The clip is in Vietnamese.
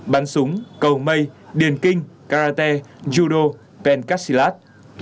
bắn súng cầu mây điền kinh karate judo pencastillat